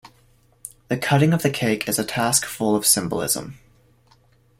The cutting of the cake is a task full of symbolism.